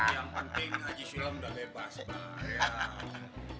yang penting haji sulam sudah bebas pak